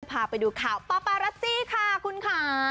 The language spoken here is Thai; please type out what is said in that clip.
พาไปดูข่าวปาปารัสซี่ค่ะคุณค่ะ